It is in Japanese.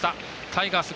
タイガース